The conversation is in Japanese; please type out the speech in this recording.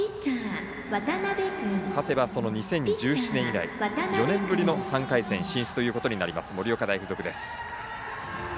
勝てば２０１７年以来４年ぶりの３回戦進出となる盛岡大付属です。